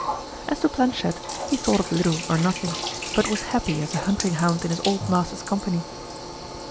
As to Planchet, he thought of little or nothing, but was happy as a hunting hound in his old master's company.